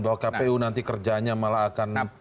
bahwa kpu nanti kerjanya malah akan